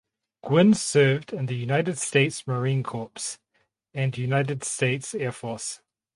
Gwynn served in the United States Marine Corps and United States Air Force.